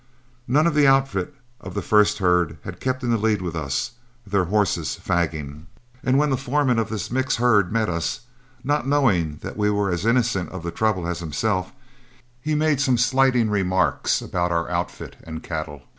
None of the outfit of the first herd had kept in the lead with us, their horses fagging, and when the foreman of this mixed herd met us, not knowing that we were as innocent of the trouble as himself, he made some slighting remarks about our outfit and cattle.